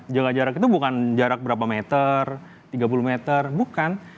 jaga jarak itu bukan jarak berapa meter tiga puluh meter bukan